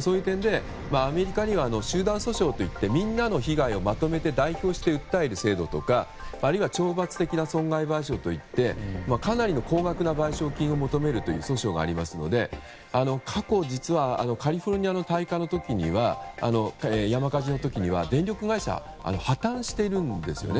そういう点でアメリカには集団訴訟といってみんなの被害をまとめて代表して訴える制度とかあるいは懲罰的な損害賠償といってかなりの高額な賠償金を求めるという訴訟もあるので過去実はカリフォルニアの大火の時には電力会社が破綻しているんですよね